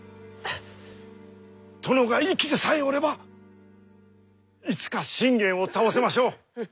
殿が生きてさえおればいつか信玄を倒せましょう。